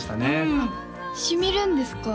うんしみるんですか？